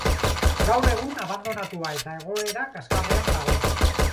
Gaur egun, abandonatua eta egoera kaskarrean dago.